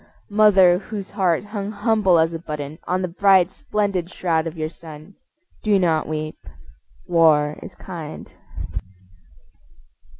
Mother whose heart hung humble as a button On the bright splendid shroud of your son, Do not weep. War is kind.